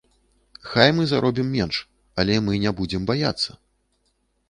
Хай мы заробім менш, але мы не будзем баяцца.